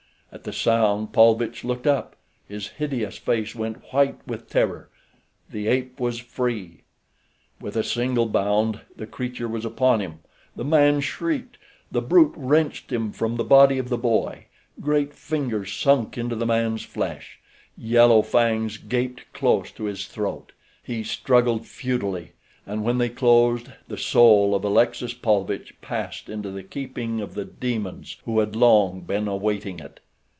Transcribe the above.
At the sound Paulvitch looked up. His hideous face went white with terror—the ape was free. With a single bound the creature was upon him. The man shrieked. The brute wrenched him from the body of the boy. Great fingers sunk into the man's flesh. Yellow fangs gaped close to his throat—he struggled, futilely—and when they closed, the soul of Alexis Paulvitch passed into the keeping of the demons who had long been awaiting it.